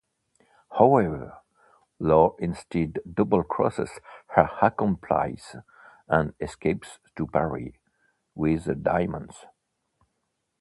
However, Laure instead double-crosses her accomplices and escapes to Paris with the diamonds.